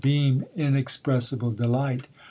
beam inexpressible delight ?